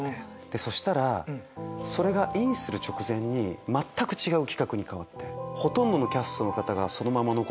そしたらそれがインする直前に全く違う企画に変わって。